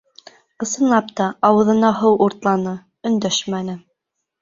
Ысынлап та, ауыҙына һыу уртланы, өндәшмәне.